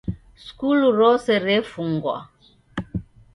Skulu rose refungwa.